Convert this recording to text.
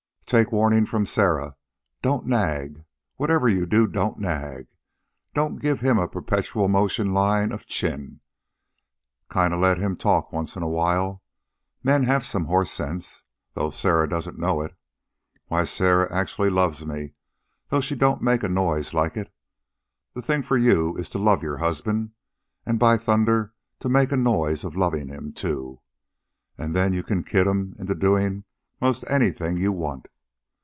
"Take warning from Sarah. Don't nag. Whatever you do, don't nag. Don't give him a perpetual motion line of chin. Kind of let him talk once in a while. Men have some horse sense, though Sarah don't know it. Why, Sarah actually loves me, though she don't make a noise like it. The thing for you is to love your husband, and, by thunder, to make a noise of lovin' him, too. And then you can kid him into doing 'most anything you want.